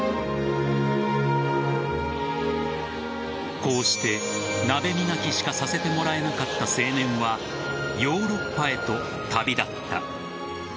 こうして鍋磨きしかさせてもらえなかった青年はヨーロッパへと旅立った。